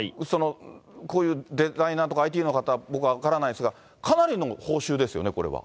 こういうデザイナーとかＩＴの方、僕は分からないんですが、かなりの報酬ですよね、これは。